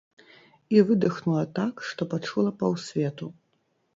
І выдыхнула так, што пачула паўсвету.